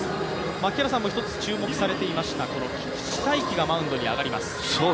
槙原さんも一つ注目されていました、この菊地大稀がマウンドに上がります。